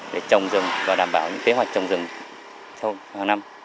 để trồng rừng và đảm bảo những kế hoạch trồng rừng hàng năm